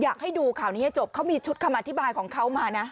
อยากให้ดูข่าวนี้ให้จบเขามีชุดคำอธิบายของเขามานะ